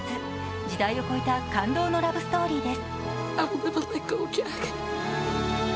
時代を超えた感動のラブストーリーです。